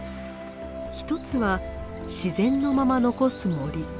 一つは自然のまま残す森。